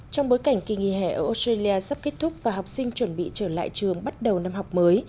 trong bối cảnh kỳ nghỉ hè ở australia sắp kết thúc và học sinh chuẩn bị trở lại trường bắt đầu năm học mới